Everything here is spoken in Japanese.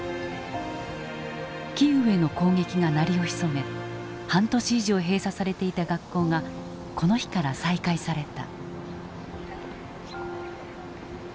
キーウへの攻撃が鳴りを潜め半年以上閉鎖されていた学校がこの日から再開された。